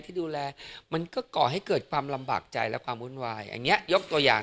ที่ดูแลมันก็ก่อให้เกิดความลำบากใจและความวุ่นวายอย่างเงี้ยกตัวอย่าง